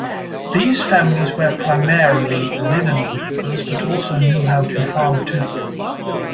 These families were primarely linen weavers, but also knew how to farm too.